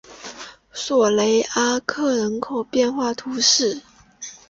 索雷阿克人口变化图示